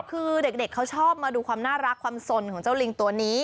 คือเด็กเขาชอบมาดูความน่ารักความสนของเจ้าลิงตัวนี้